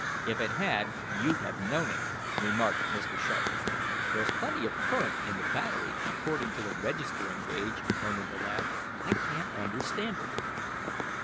"If it had you'd have known it," remarked Mr. Sharp. "There's plenty of current in the battery, according to the registering gauge," murmured the lad. "I can't understand it."